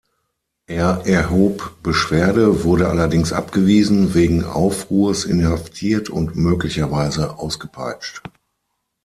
Er erhob Beschwerde, wurde allerdings abgewiesen, wegen Aufruhrs inhaftiert und möglicherweise ausgepeitscht.